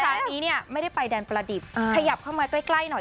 แต่เวลานี้ไม่ได้ไปด่านประดิษฐ์ขยับขึ้นมาใกล้หน่อย